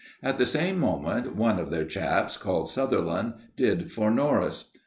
At the same moment one of their chaps, called Sutherland, did for Norris.